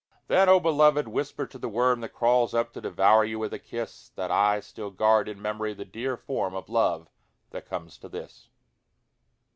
Then, O Beloved, whisper to the worm That crawls up to devour you with a kiss, That I still guard in memory the dear form Of love that comes to this!